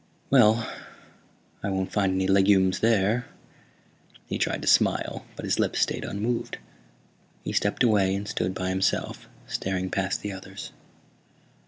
"Well, I won't find any legumes there." He tried to smile, but his lips stayed unmoved. He stepped away and stood by himself, staring past the others.